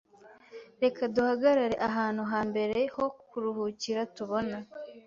Reka duhagarare ahantu ha mbere ho kuruhukira tubona.